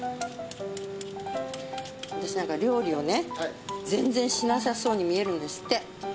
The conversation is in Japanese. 私何か料理をね全然しなさそうに見えるんですって。